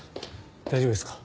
大丈夫ですか？